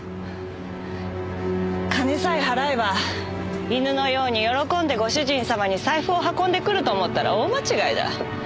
金さえ払えば犬のように喜んでご主人様に財布を運んでくると思ったら大間違いだ。